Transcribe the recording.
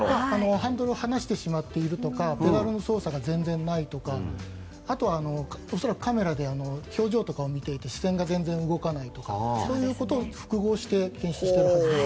ハンドルを放してしまっているとかペダルの操作が全然ないとかあとは、恐らくカメラで表情とかを見ていて視線が全然動かないとかそういうことを複合して検出しているはずです。